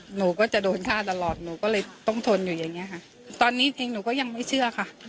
หนูก็จะโดนฆ่าตลอดหนูก็เลยต้องทนอยู่อย่างเงี้ค่ะตอนนี้จริงหนูก็ยังไม่เชื่อค่ะ